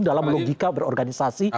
dalam logika berorganisasi yang tepat